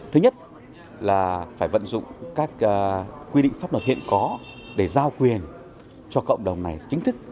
thứ nhất là phải vận dụng các quy định pháp luật hiện có để giao quyền cho cộng đồng này chính thức